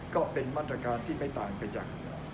ก็เป็นมาตรการที่ไม่ต่างไปจาก